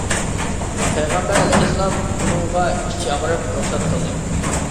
پەيغەمبەر ئەلەيھىسسالام ئۇنىڭغا ئىچى ئاغرىپ، رۇخسەت قىلدى.